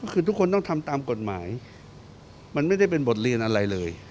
คือทุกคนต้องทำตามกฎหมายมันไม่ได้เป็นบทเรียนอะไรเลย